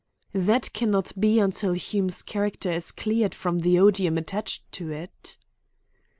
"That cannot be until Hume's character is cleared from the odium attached to it."